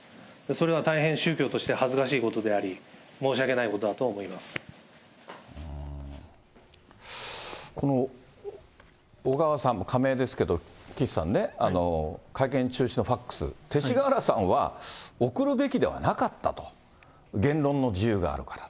それは宗教として恥ずかしいことであり、申し訳ないことだと思いこの小川さん、仮名ですけど、岸さんね、会見中止のファックス、勅使河原さんは送るべきではなかったと、言論の自由があるから。